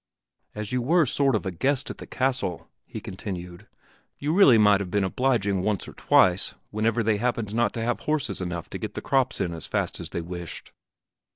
"As you were a sort of guest at the castle," he continued, "you really might have been obliging once or twice whenever they happened not to have horses enough to get the crops in as fast as they wished."